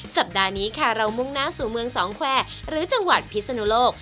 สัปดาห์นี้ค่ะเรามุ่งหน้าสู่เมืองสองแควร์หรือจังหวัดพิศนุโลก